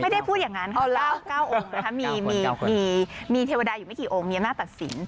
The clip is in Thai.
ไม่ได้พูดอย่างนั้นเขาเล่า๙องค์นะคะมีเทวดาอยู่ไม่กี่องค์มีอำนาจตัดสิน